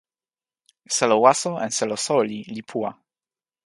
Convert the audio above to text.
selo waso en selo soweli li puwa.